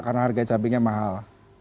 karena harga cabainya mahal